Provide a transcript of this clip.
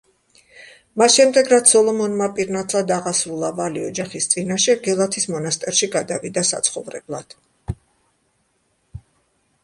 მას შემდეგ, რაც სოლომონმა პირნათლად აღასრულა ვალი ოჯახის წინაშე, გელათის მონასტერში გადავიდა საცხოვრებლად.